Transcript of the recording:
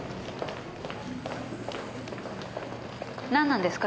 なんなんですか？